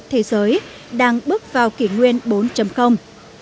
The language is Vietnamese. thế giới đang bước vào kỷ nguyên bốn